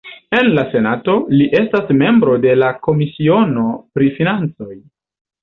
En la Senato, li estas membro de la komisiono pri financoj.